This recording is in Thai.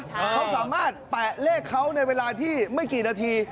เขาสามารถแปะเลขเขาในเวลาที่ไม่กี่นาที